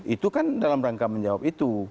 itu kan dalam rangka menjawab itu